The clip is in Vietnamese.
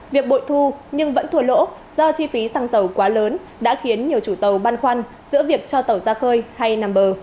việc bội thu nhưng vẫn thua lỗ do chi phí xăng dầu quá lớn đã khiến nhiều chủ tàu băn khoăn giữa việc cho tàu ra khơi hay nằm bờ